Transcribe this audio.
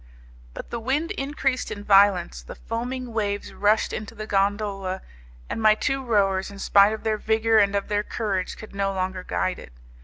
But the wind increased in violence, the foaming waves rushed into the gondola, and my two rowers, in spite of their vigour and of their courage, could no longer guide it.